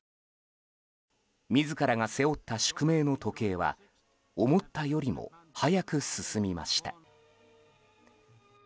自らが背負った宿命の時計は思ったよりも早く進みました。